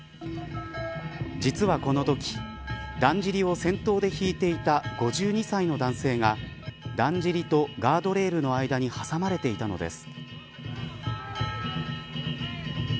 実は、このときだんじりを先頭で引いていた５２歳の男性がだんじりとガードレールの間に挟まれていたのです。